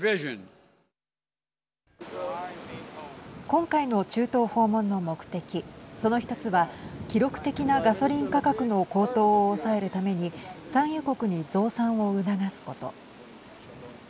今回の中東訪問の目的その１つは記録的なガソリン価格の高騰を抑えるために産油国に増産を促すこと。